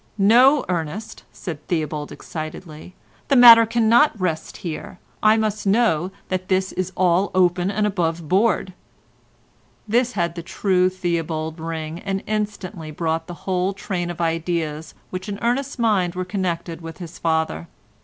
"No, Ernest," said Theobald excitedly, "the matter cannot rest here, I must know that this is all open and above board." This had the true Theobald ring and instantly brought the whole train of ideas which in Ernest's mind were connected with his father.